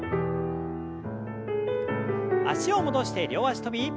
脚を戻して両脚跳び。